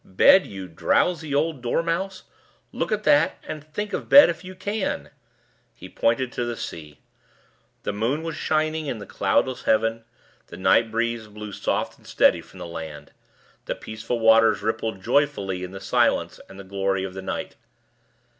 Bed, you drowsy old dormouse! Look at that, and think of bed if you can!" He pointed to the sea. The moon was shining in the cloudless heaven; the night breeze blew soft and steady from the land; the peaceful waters rippled joyfully in the silence and the glory of the night.